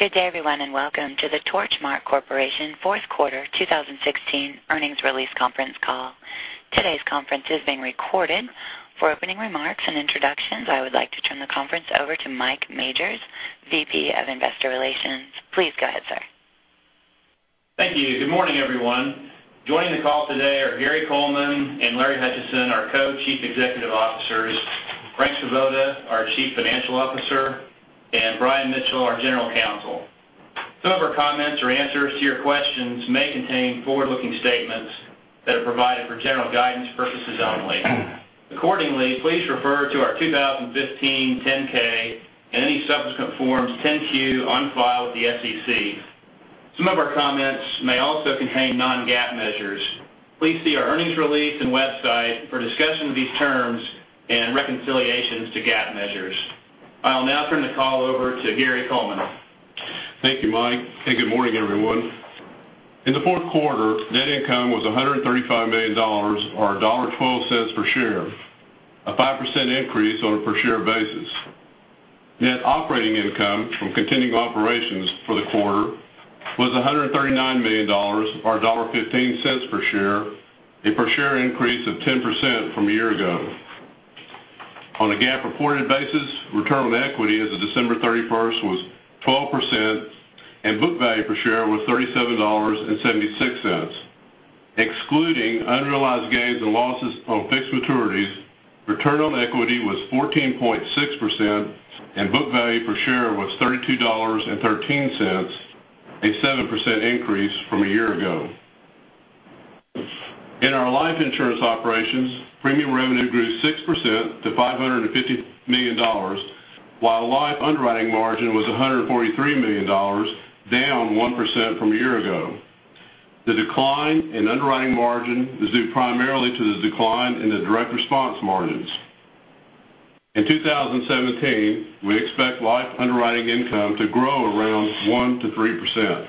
Good day everyone, welcome to the Torchmark Corporation fourth quarter 2016 earnings release conference call. Today's conference is being recorded. For opening remarks and introductions, I would like to turn the conference over to Mike Majors, VP of Investor Relations. Please go ahead, sir. Thank you. Good morning, everyone. Joining the call today are Gary Coleman and Larry Hutchison, our Co-Chief Executive Officers, Frank Svoboda, our Chief Financial Officer, and Brian Mitchell, our General Counsel. Some of our comments or answers to your questions may contain forward-looking statements that are provided for general guidance purposes only. Accordingly, please refer to our 2015 10-K and any subsequent Forms 10-Q on file with the SEC. Some of our comments may also contain non-GAAP measures. Please see our earnings release and website for a discussion of these terms and reconciliations to GAAP measures. I will now turn the call over to Gary Coleman. Thank you, Mike, good morning, everyone. In the fourth quarter, net income was $135 million, or $1.12 per share, a 5% increase on a per share basis. Net operating income from continuing operations for the quarter was $139 million, or $1.15 per share, a per share increase of 10% from a year ago. On a GAAP reported basis, return on equity as of December 31st was 12%, and book value per share was $37.76. Excluding unrealized gains and losses on fixed maturities, return on equity was 14.6%, and book value per share was $32.13, a 7% increase from a year ago. In our life insurance operations, premium revenue grew 6% to $550 million, while life underwriting margin was $143 million, down 1% from a year ago. The decline in underwriting margin is due primarily to the decline in the direct response margins. In 2017, we expect life underwriting income to grow around 1%-3%.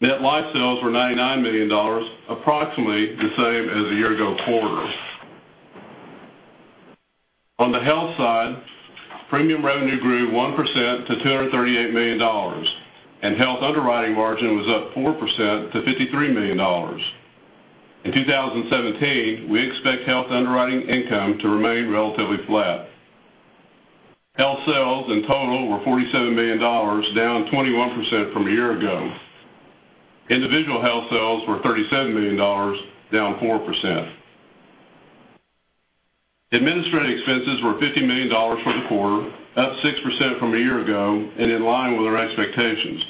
Net life sales were $99 million, approximately the same as the year-ago quarter. On the health side, premium revenue grew 1% to $238 million, and health underwriting margin was up 4% to $53 million. In 2017, we expect health underwriting income to remain relatively flat. Health sales in total were $47 million, down 21% from a year ago. Individual health sales were $37 million, down 4%. Administrative expenses were $50 million for the quarter, up 6% from a year ago and in line with our expectations.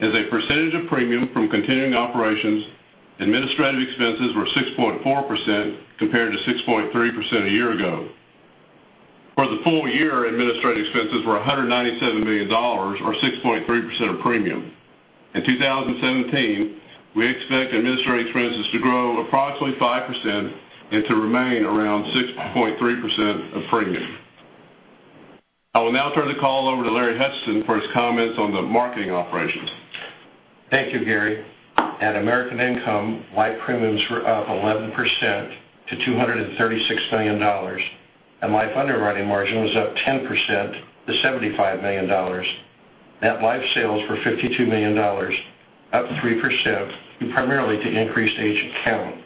As a percentage of premium from continuing operations, administrative expenses were 6.4% compared to 6.3% a year ago. For the full year, administrative expenses were $197 million, or 6.3% of premium. In 2017, we expect administrative expenses to grow approximately 5% and to remain around 6.3% of premium. I will now turn the call over to Larry Hutchison for his comments on the marketing operations. Thank you, Gary. At American Income, life premiums were up 11% to $236 million, and life underwriting margin was up 10% to $75 million. Net life sales were $52 million, up 3%, due primarily to increased agent count.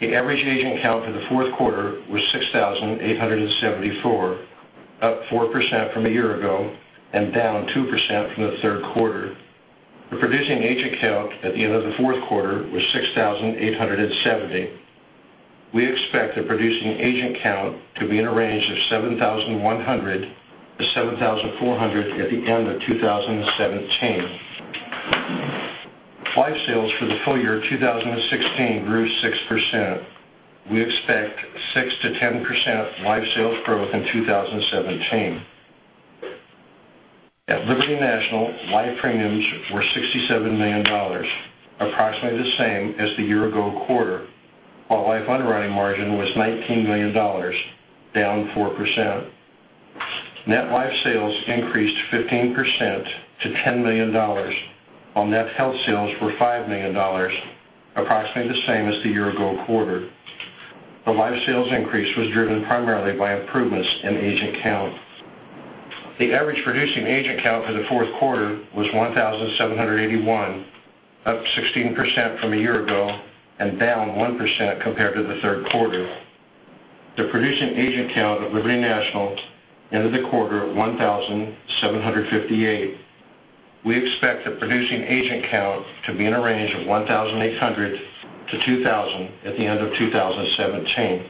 The average agent count for the fourth quarter was 6,874, up 4% from a year ago and down 2% from the third quarter. The producing agent count at the end of the fourth quarter was 6,870. We expect the producing agent count to be in a range of 7,100 to 7,400 at the end of 2017. Life sales for the full year 2016 grew 6%. We expect 6%-10% life sales growth in 2017. At Liberty National, life premiums were $67 million, approximately the same as the year-ago quarter, while life underwriting margin was $19 million, down 4%. Net life sales increased 15% to $10 million, while net health sales were $5 million, approximately the same as the year-ago quarter. The life sales increase was driven primarily by improvements in agent count. The average producing agent count for the fourth quarter was 1,781, up 16% from a year ago and down 1% compared to the third quarter. The producing agent count of Liberty National ended the quarter at 1,758. We expect the producing agent count to be in a range of 1,800 to 2,000 at the end of 2017.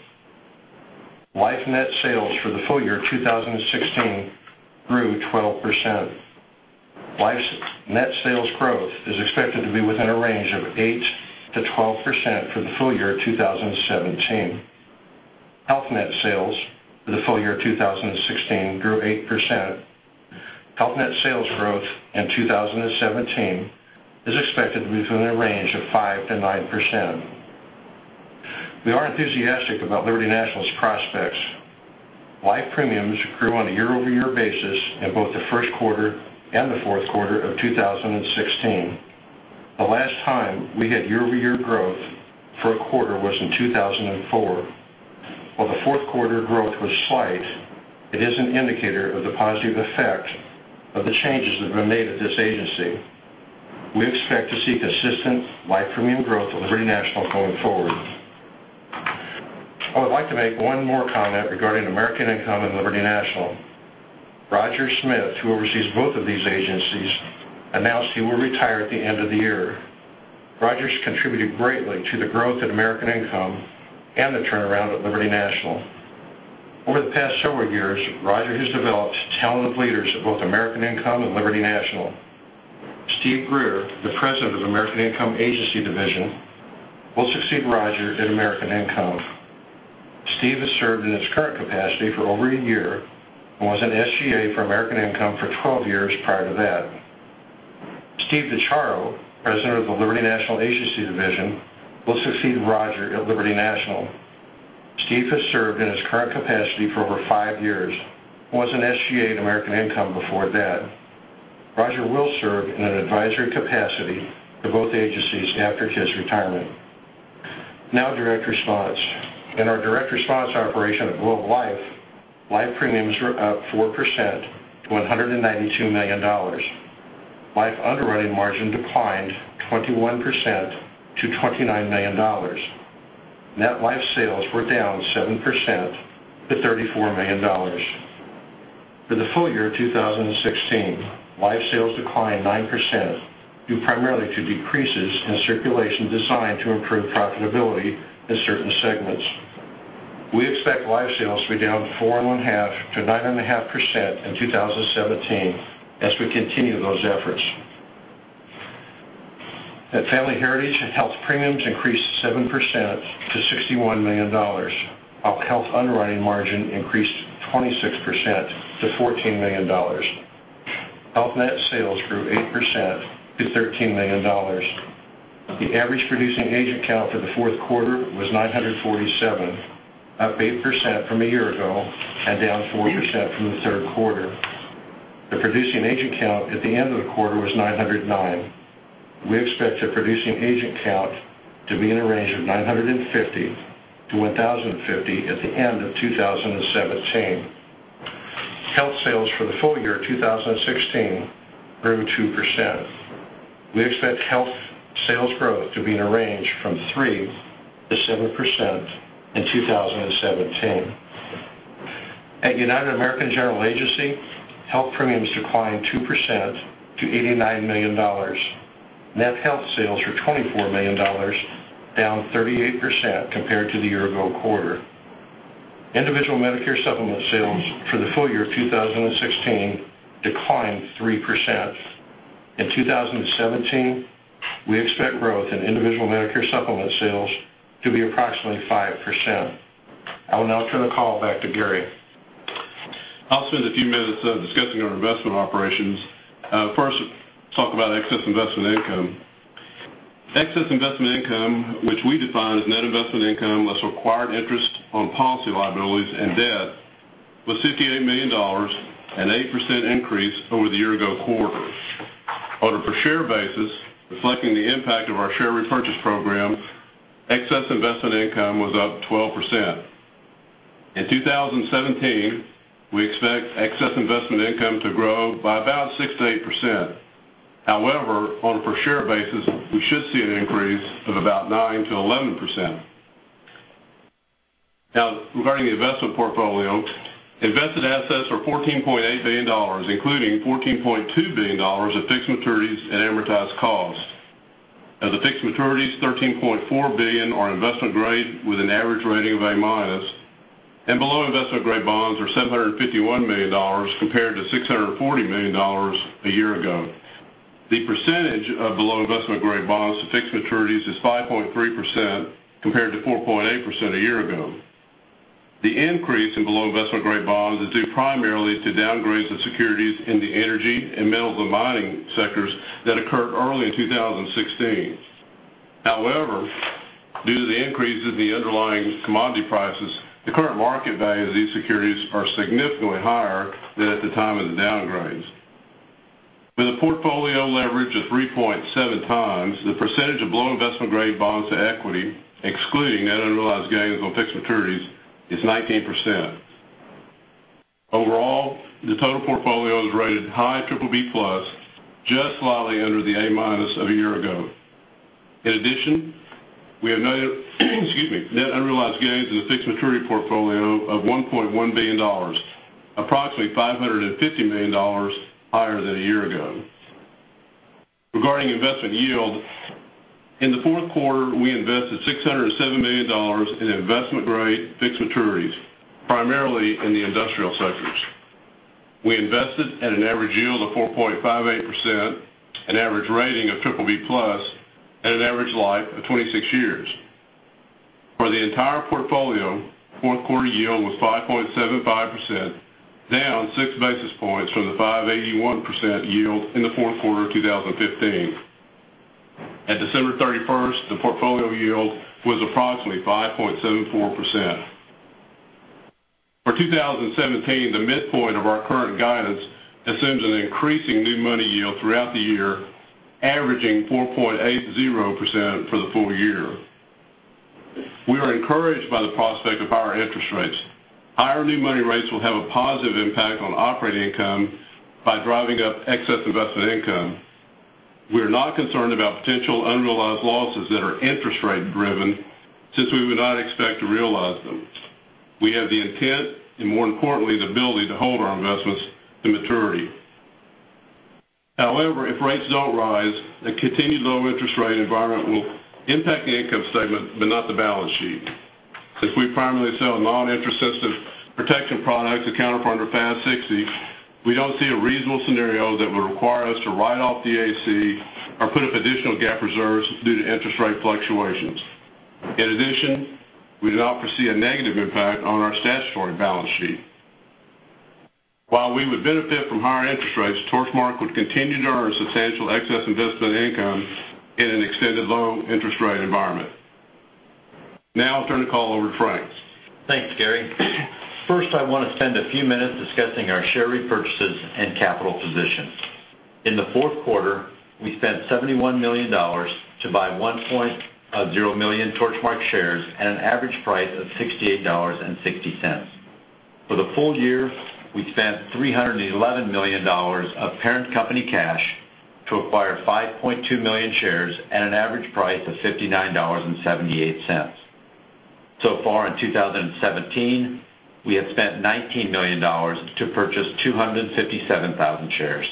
Life net sales for the full year 2016 grew 12%. Life net sales growth is expected to be within a range of 8%-12% for the full year 2017. Health net sales for the full year 2016 grew 8%. Health net sales growth in 2017 is expected to be within a range of 5%-9%. We are enthusiastic about Liberty National's prospects. Life premiums grew on a year-over-year basis in both the first quarter and the fourth quarter of 2016. The last time we had year-over-year growth for a quarter was in 2004. While the fourth quarter growth was slight, it is an indicator of the positive effect of the changes that have been made at this agency. We expect to see consistent life premium growth at Liberty National going forward. I would like to make one more comment regarding American Income and Liberty National. Roger Smith, who oversees both of these agencies, announced he will retire at the end of the year. Roger's contributed greatly to the growth at American Income and the turnaround at Liberty National. Over the past several years, Roger has developed talented leaders at both American Income and Liberty National. Steven K. Greer, the President of American Income Agency Division, will succeed Roger Smith at American Income. Steve has served in his current capacity for over a year and was an SGA for American Income for 12 years prior to that. Steven J. DiChiaro, President of the Liberty National Agency Division, will succeed Roger Smith at Liberty National. Steve has served in his current capacity for over 5 years and was an SGA at American Income before that. Roger Smith will serve in an advisory capacity for both agencies after his retirement. Direct Response. In our Direct Response operation at Globe Life, life premiums were up 4% to $192 million. Life underwriting margin declined 21% to $29 million. Net life sales were down 7% to $34 million. For the full year 2016, life sales declined 9%, due primarily to decreases in circulation designed to improve profitability in certain segments. We expect life sales to be down 4.5%-9.5% in 2017 as we continue those efforts. At Family Heritage, health premiums increased 7% to $61 million, while health underwriting margin increased 26% to $14 million. Health net sales grew 8% to $13 million. The average producing agent count for the fourth quarter was 947, up 8% from a year ago and down 4% from the third quarter. The producing agent count at the end of the quarter was 909. We expect the producing agent count to be in a range of 950-1,050 at the end of 2017. Health sales for the full year 2016 grew 2%. We expect health sales growth to be in a range from 3%-7% in 2017. At United American General Agency, health premiums declined 2% to $89 million. Net health sales were $24 million, down 38% compared to the year ago quarter. Individual Medicare Supplement sales for the full year 2016 declined 3%. In 2017, we expect growth in individual Medicare Supplement sales to be approximately 5%. I will now turn the call back to Gary Coleman. I'll spend a few minutes discussing our investment operations. Talk about excess investment income. Excess investment income, which we define as net investment income less required interest on policy liabilities and debt, was $58 million, an 8% increase over the year ago quarter. On a per share basis, reflecting the impact of our share repurchase program, excess investment income was up 12%. In 2017, we expect excess investment income to grow by about 6%-8%. On a per share basis, we should see an increase of about 9%-11%. Regarding the investment portfolio, invested assets were $14.8 billion, including $14.2 billion of fixed maturities at amortized cost. Of the fixed maturities, $13.4 billion are investment grade with an average rating of A minus, and below investment grade bonds are $751 million compared to $640 million a year ago. The percentage of below investment grade bonds to fixed maturities is 5.3% compared to 4.8% a year ago. The increase in below investment grade bonds is due primarily to downgrades of securities in the energy and metals and mining sectors that occurred early in 2016. However, due to the increase in the underlying commodity prices, the current market value of these securities are significantly higher than at the time of the downgrades. With a portfolio leverage of 3.7 times, the percentage of below investment grade bonds to equity, excluding net unrealized gains on fixed maturities, is 19%. Overall, the total portfolio is rated high triple B plus, just slightly under the A minus of a year ago. In addition, we have net unrealized gains in the fixed maturity portfolio of $1.1 billion, approximately $550 million higher than a year ago. Regarding investment yield, in the fourth quarter, we invested $607 million in investment-grade fixed maturities, primarily in the industrial sectors. We invested at an average yield of 4.58%, an average rating of triple B plus, and an average life of 26 years. For the entire portfolio, fourth quarter yield was 5.75%, down six basis points from the 5.81% yield in the fourth quarter of 2015. At December 31st, the portfolio yield was approximately 5.74%. For 2017, the midpoint of our current guidance assumes an increasing new money yield throughout the year, averaging 4.80% for the full year. We are encouraged by the prospect of higher interest rates. Higher new money rates will have a positive impact on operating income by driving up excess investment income. We are not concerned about potential unrealized losses that are interest rate driven, since we would not expect to realize them. We have the intent, and more importantly, the ability to hold our investments to maturity. However, if rates don't rise, a continued low interest rate environment will impact the income statement but not the balance sheet. Since we primarily sell non-interest sensitive protection products that counter for under FAS 60, we don't see a reasonable scenario that would require us to write off the DAC or put up additional GAAP reserves due to interest rate fluctuations. In addition, we do not foresee a negative impact on our statutory balance sheet. While we would benefit from higher interest rates, Torchmark would continue to earn a substantial excess investment income in an extended low interest rate environment. Now I'll turn the call over to Frank Svoboda. Thanks, Gary. First, I want to spend a few minutes discussing our share repurchases and capital position. In the fourth quarter, we spent $71 million to buy 1.0 million Torchmark shares at an average price of $68.60. For the full year, we spent $311 million of parent company cash to acquire 5.2 million shares at an average price of $59.78. So far in 2017, we have spent $19 million to purchase 257,000 shares.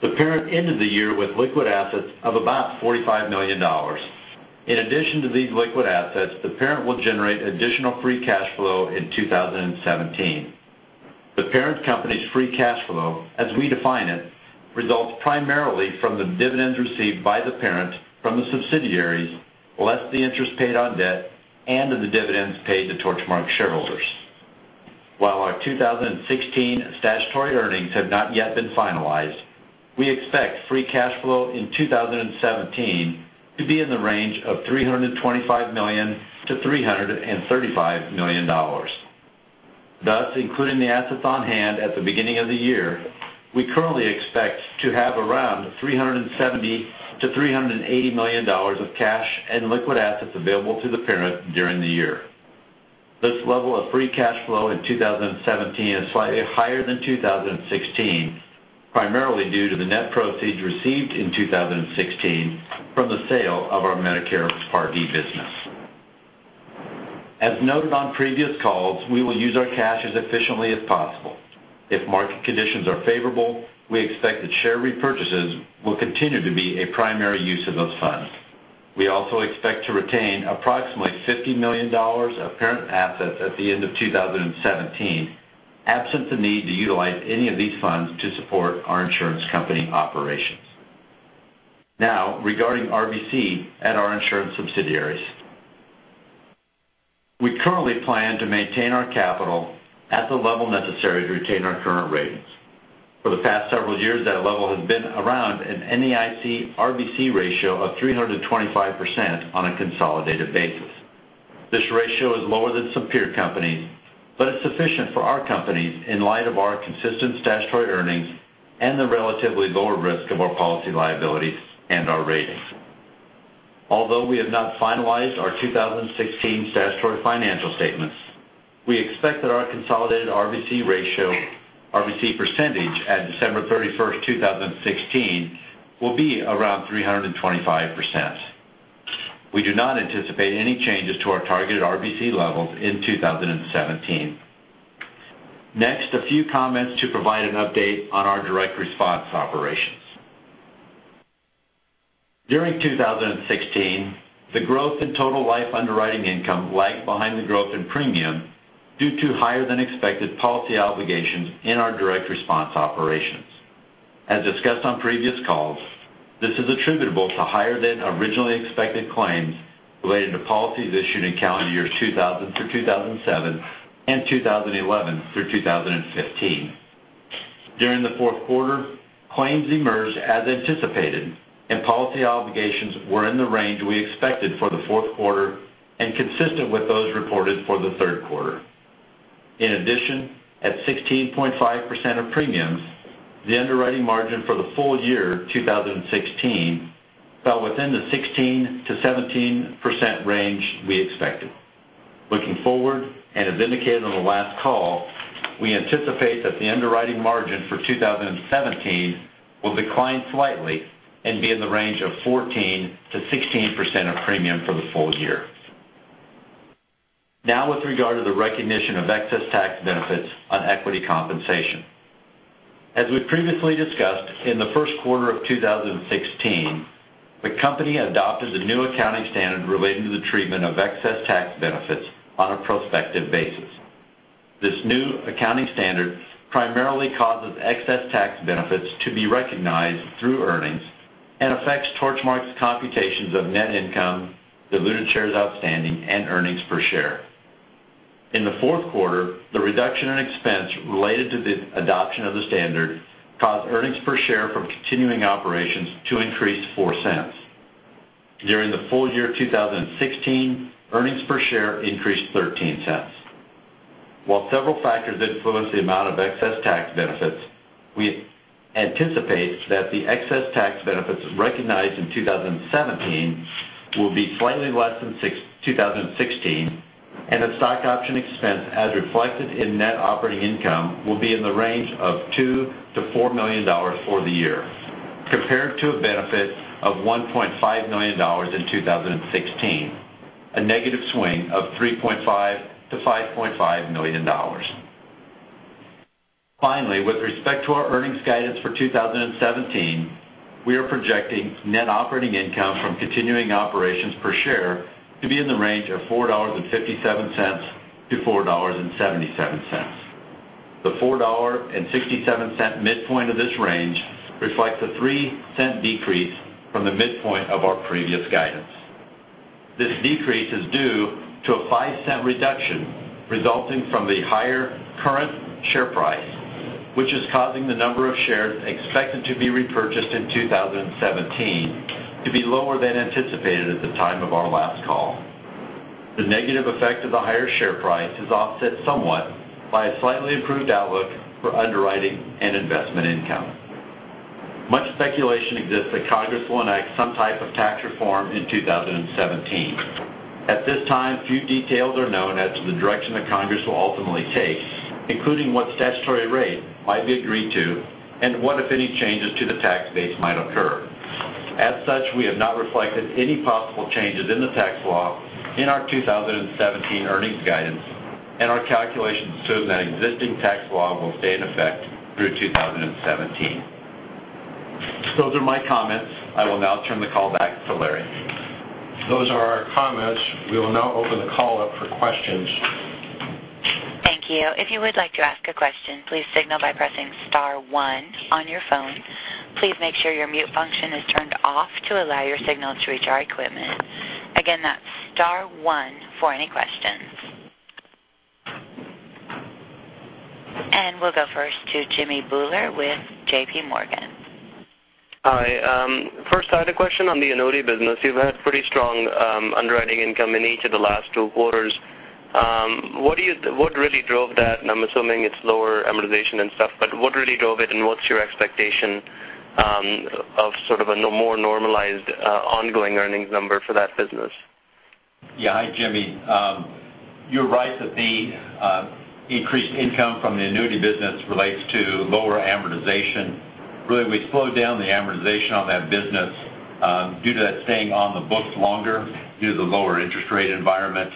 The parent ended the year with liquid assets of about $45 million. In addition to these liquid assets, the parent will generate additional free cash flow in 2017. The parent company's free cash flow, as we define it, results primarily from the dividends received by the parent from the subsidiaries, less the interest paid on debt and of the dividends paid to Torchmark shareholders. While our 2016 statutory earnings have not yet been finalized, we expect free cash flow in 2017 to be in the range of $325 million-$335 million. Thus, including the assets on hand at the beginning of the year, we currently expect to have around $370 million-$380 million of cash and liquid assets available to the parent during the year. This level of free cash flow in 2017 is slightly higher than 2016, primarily due to the net proceeds received in 2016 from the sale of our Medicare Part D business. As noted on previous calls, we will use our cash as efficiently as possible. If market conditions are favorable, we expect that share repurchases will continue to be a primary use of those funds. We also expect to retain approximately $50 million of parent assets at the end of 2017, absent the need to utilize any of these funds to support our insurance company operations. Now, regarding RBC at our insurance subsidiaries. We currently plan to maintain our capital at the level necessary to retain our current ratings. For the past several years, that level has been around an NAIC RBC ratio of 325% on a consolidated basis. This ratio is lower than some peer companies, but it's sufficient for our companies in light of our consistent statutory earnings and the relatively lower risk of our policy liabilities and our ratings. Although we have not finalized our 2016 statutory financial statements, we expect that our consolidated RBC percentage at December 31, 2016 will be around 325%. We do not anticipate any changes to our targeted RBC levels in 2017. Next, a few comments to provide an update on our Direct Response operations. During 2016, the growth in total life underwriting income lagged behind the growth in premium due to higher than expected policy obligations in our Direct Response operations. As discussed on previous calls, this is attributable to higher than originally expected claims relating to policies issued in calendar years 2000 through 2007 and 2011 through 2015. During the fourth quarter, claims emerged as anticipated and policy obligations were in the range we expected for the fourth quarter and consistent with those reported for the third quarter. In addition, at 16.5% of premiums, the underwriting margin for the full year 2016 fell within the 16%-17% range we expected. Looking forward, and as indicated on the last call, we anticipate that the underwriting margin for 2017 will decline slightly and be in the range of 14%-16% of premium for the full year. Now with regard to the recognition of excess tax benefits on equity compensation. As we previously discussed in the first quarter of 2016, the company adopted a new accounting standard relating to the treatment of excess tax benefits on a prospective basis. This new accounting standard primarily causes excess tax benefits to be recognized through earnings and affects Torchmark's computations of net income, diluted shares outstanding, and earnings per share. In the fourth quarter, the reduction in expense related to the adoption of the standard caused earnings per share from continuing operations to increase $0.04. During the full year 2016, earnings per share increased $0.13. While several factors influence the amount of excess tax benefits, we anticipate that the excess tax benefits recognized in 2017 will be slightly less than 2016, and that stock option expense as reflected in net operating income will be in the range of $2 million-$4 million for the year, compared to a benefit of $1.5 million in 2016, a negative swing of $3.5 million-$5.5 million. Finally, with respect to our earnings guidance for 2017, we are projecting net operating income from continuing operations per share to be in the range of $4.57-$4.77. The $4.67 midpoint of this range reflects a $0.03 decrease from the midpoint of our previous guidance. This decrease is due to a $0.05 reduction resulting from the higher current share price, which is causing the number of shares expected to be repurchased in 2017 to be lower than anticipated at the time of our last call. The negative effect of the higher share price is offset somewhat by a slightly improved outlook for underwriting and investment income. Much speculation exists that Congress will enact some type of tax reform in 2017. At this time, few details are known as to the direction that Congress will ultimately take, including what statutory rate might be agreed to and what, if any, changes to the tax base might occur. As such, we have not reflected any possible changes in the tax law in our 2017 earnings guidance, and our calculations assume that existing tax law will stay in effect through 2017. Those are my comments. I will now turn the call back to Larry. Those are our comments. We will now open the call up for questions. Thank you. If you would like to ask a question, please signal by pressing *1 on your phone. Please make sure your mute function is turned off to allow your signal to reach our equipment. Again, that's *1 for any questions. We'll go first to Jimmy Bhullar with JPMorgan. Hi. First, I had a question on the annuity business. You've had pretty strong underwriting income in each of the last two quarters. What really drove that? I'm assuming it's lower amortization and stuff, but what really drove it, and what's your expectation of sort of a more normalized ongoing earnings number for that business? Yeah. Hi, Jimmy. You're right that the increased income from the annuity business relates to lower amortization. Really, we slowed down the amortization on that business due to that staying on the books longer due to the lower interest rate environment.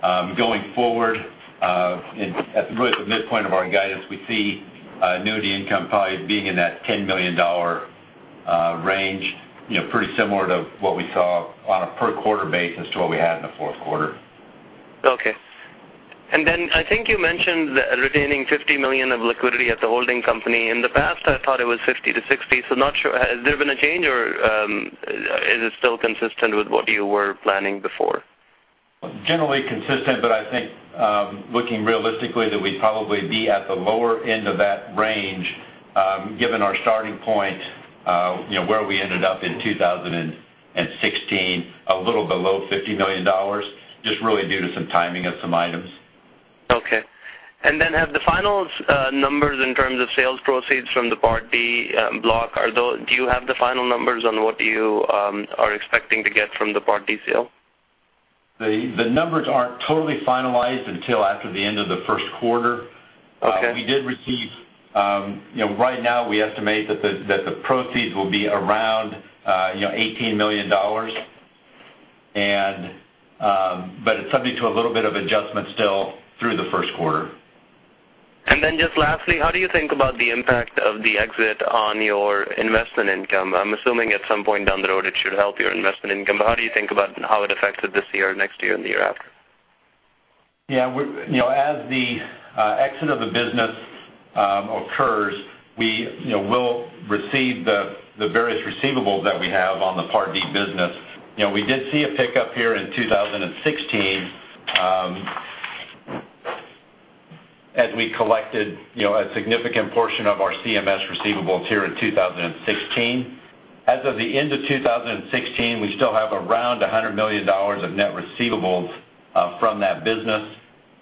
Going forward, at really the midpoint of our guidance, we see annuity income probably being in that $10 million range, pretty similar to what we saw on a per-quarter basis to what we had in the fourth quarter. Okay. I think you mentioned retaining $50 million of liquidity at the holding company. In the past, I thought it was $50-$60, not sure. Has there been a change, or is it still consistent with what you were planning before? Generally consistent, I think, looking realistically, that we'd probably be at the lower end of that range, given our starting point, where we ended up in 2016, a little below $50 million, just really due to some timing of some items. Okay. Then have the final numbers in terms of sales proceeds from the Part D block, do you have the final numbers on what you are expecting to get from the Part D sale? The numbers aren't totally finalized until after the end of the first quarter. Okay. Right now we estimate that the proceeds will be around $18 million. It's subject to a little bit of adjustment still through the first quarter. Just lastly, how do you think about the impact of the exit on your investment income? I'm assuming at some point down the road it should help your investment income. How do you think about how it affected this year, next year, and the year after? As the exit of the business occurs, we will receive the various receivables that we have on the Part D business. We did see a pickup here in 2016 as we collected a significant portion of our CMS receivables here in 2016. As of the end of 2016, we still have around $100 million of net receivables from that business.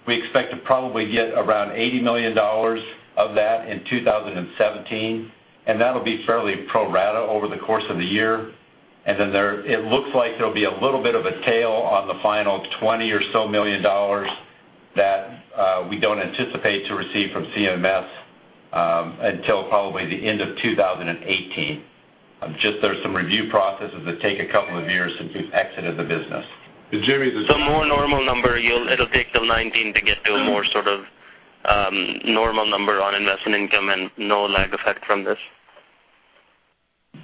We expect to probably get around $80 million of that in 2017, and that'll be fairly pro rata over the course of the year. It looks like there'll be a little bit of a tail on the final $20 or so million that we don't anticipate to receive from CMS until probably the end of 2018. There's some review processes that take a couple of years since we've exited the business. Jimmy, The more normal number, it'll take till 2019 to get to a more sort of normal number on investment income and no lag effect from this?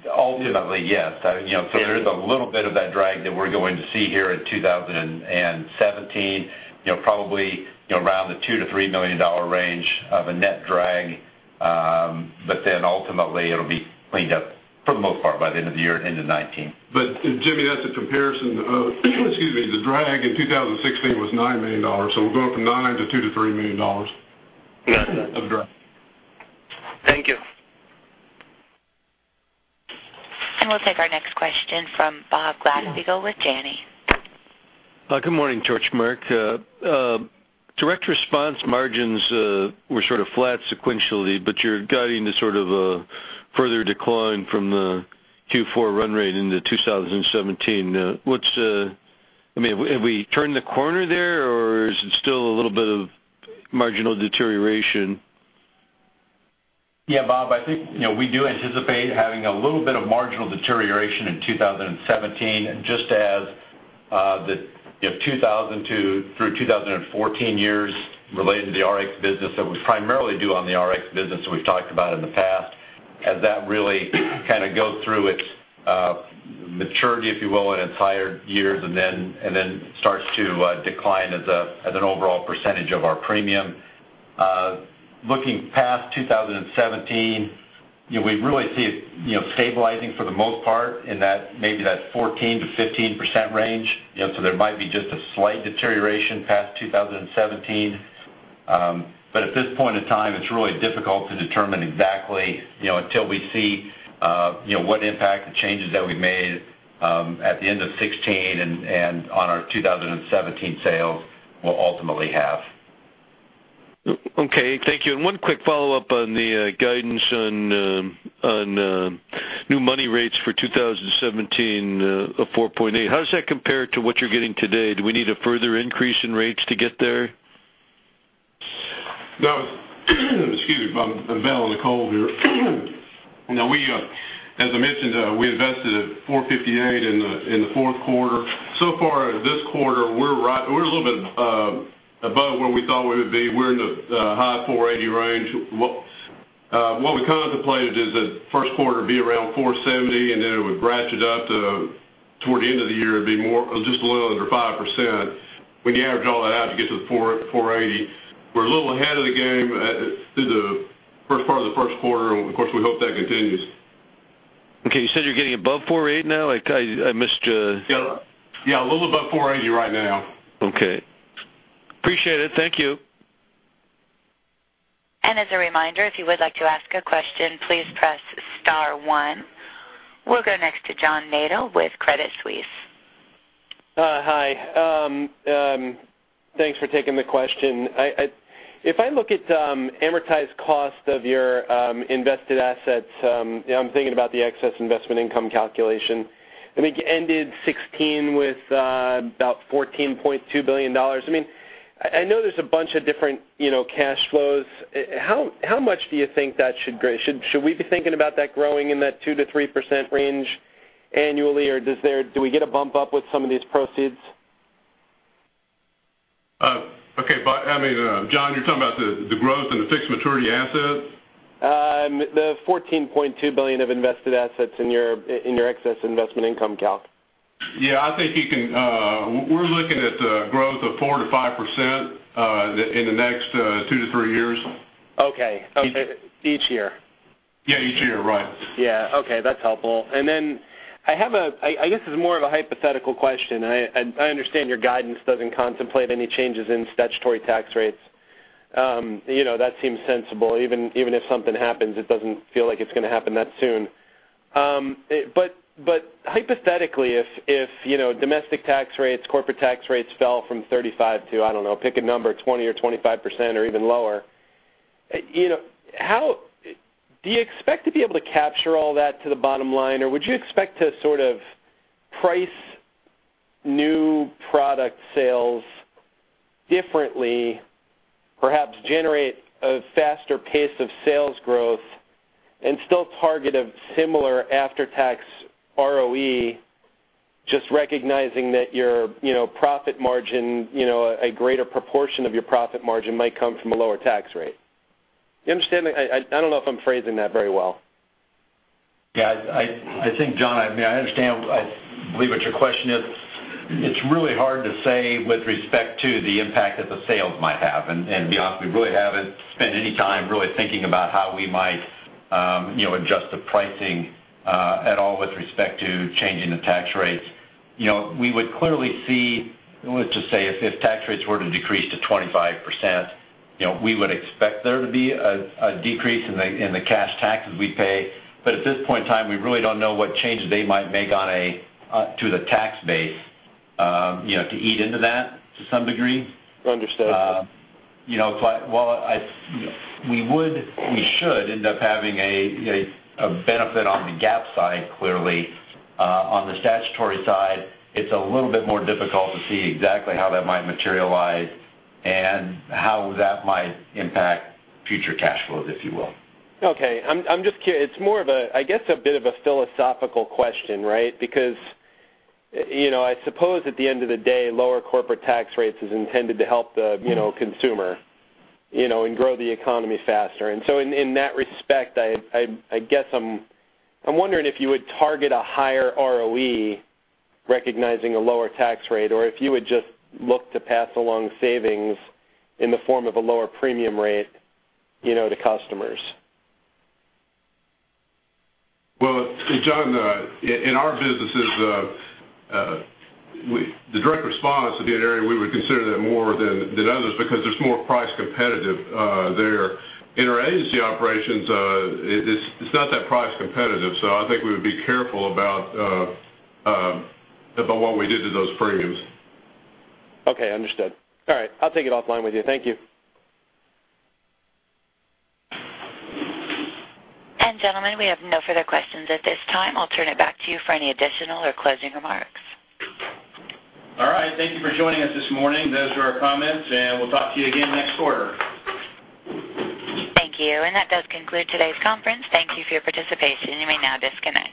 Ultimately, yes. There is a little bit of that drag that we're going to see here in 2017, probably around the $2 million-$3 million range of a net drag. Ultimately, it'll be cleaned up for the most part by the end of the year into 2019. Jimmy, that's a comparison of, excuse me, the drag in 2016 was $9 million. We're going from $9 million to $2 million-$3 million. Yes. Of drag. Thank you. We will take our next question from Bob Glasspiegel with Janney. Hi, good morning, Gary, Mike. Direct response margins were sort of flat sequentially, but you are guiding to sort of a further decline from the Q4 run rate into 2017. Have we turned the corner there, or is it still a little bit of marginal deterioration? Yeah, Bob, I think we do anticipate having a little bit of marginal deterioration in 2017, just as the 2002-2014 years related to the RX business that we primarily do on the RX business we have talked about in the past, as that really kind of goes through its maturity, if you will, in its higher years, and then starts to decline as an overall percentage of our premium. Looking past 2017, we really see it stabilizing for the most part in maybe that 14%-15% range. So there might be just a slight deterioration past 2017. But at this point in time, it is really difficult to determine exactly, until we see what impact the changes that we have made at the end of 2016 and on our 2017 sales will ultimately have. Okay, thank you. And one quick follow-up on the guidance on new money rates for 2017 of 4.8%. How does that compare to what you are getting today? Do we need a further increase in rates to get there? No. Excuse me, I'm battling a cold here. As I mentioned, we invested at 458 in the fourth quarter. So far this quarter, we're a little bit above where we thought we would be. We're in the high 480 range. What we contemplated is that first quarter would be around 470, and then it would graduate up toward the end of the year. It'd be just a little under 5%. When you average all that out, you get to the 480. We're a little ahead of the game through the first part of the first quarter, and of course, we hope that continues. Okay, you said you're getting above 480 now? Yeah, a little above 480 right now. Okay. Appreciate it. Thank you. As a reminder, if you would like to ask a question, please press *1. We'll go next to John Barnidge with Credit Suisse. Hi. Thanks for taking the question. If I look at amortized cost of your invested assets, I'm thinking about the excess investment income calculation. I think you ended 2016 with about $14.2 billion. I know there's a bunch of different cash flows. How much do you think that should grow? Should we be thinking about that growing in that 2%-3% range annually, or do we get a bump up with some of these proceeds? Okay. John, you're talking about the growth in the fixed maturity assets? The $14.2 billion of invested assets in your excess investment income calc. Yeah, I think we're looking at growth of 4% to 5% in the next two to three years. Okay. Each year? Yeah, each year, right. Yeah. Okay, that's helpful. Then I have a, I guess this is more of a hypothetical question. I understand your guidance doesn't contemplate any changes in statutory tax rates. That seems sensible. Even if something happens, it doesn't feel like it's going to happen that soon. But hypothetically, if domestic tax rates, corporate tax rates fell from 35% to, I don't know, pick a number, 20% or 25% or even lower. Do you expect to be able to capture all that to the bottom line, or would you expect to sort of price new product sales differently, perhaps generate a faster pace of sales growth and still target a similar after-tax ROE, just recognizing that a greater proportion of your profit margin might come from a lower tax rate? You understand? I don't know if I'm phrasing that very well. Yeah, I think, John, I understand, I believe, what your question is. It's really hard to say with respect to the impact that the sales might have. To be honest, we really haven't spent any time really thinking about how we might adjust the pricing at all with respect to changing the tax rates. We would clearly see, let's just say if tax rates were to decrease to 25%, we would expect there to be a decrease in the cash taxes we pay. At this point in time, we really don't know what changes they might make to the tax base to eat into that to some degree. Understood. We should end up having a benefit on the GAAP side, clearly. On the statutory side, it's a little bit more difficult to see exactly how that might materialize and how that might impact future cash flows, if you will. Okay. It's more of a, I guess, a bit of a philosophical question, right? I suppose at the end of the day, lower corporate tax rates is intended to help the consumer and grow the economy faster. In that respect, I guess I'm wondering if you would target a higher ROE recognizing a lower tax rate, or if you would just look to pass along savings in the form of a lower premium rate to customers. Well, John, in our businesses, the Direct Response would be an area we would consider that more than others because there's more price competitive there. In our agency operations, it's not that price competitive, so I think we would be careful about what we did to those premiums. Okay, understood. All right, I'll take it offline with you. Thank you. Gentlemen, we have no further questions at this time. I'll turn it back to you for any additional or closing remarks. All right. Thank you for joining us this morning. Those are our comments, and we'll talk to you again next quarter. Thank you. That does conclude today's conference. Thank you for your participation. You may now disconnect.